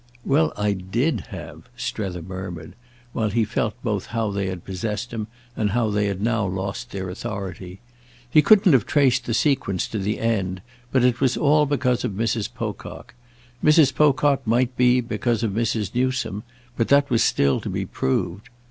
"Well, I did have," Strether murmured, while he felt both how they had possessed him and how they had now lost their authority. He couldn't have traced the sequence to the end, but it was all because of Mrs. Pocock. Mrs. Pocock might be because of Mrs. Newsome, but that was still to be proved.